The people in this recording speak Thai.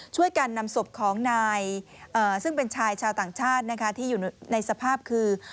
ช่วยกันนำศพของนายซึ่งเป็นชายชาวต่างชาตินะคะที่อยู่ในสภาพคือ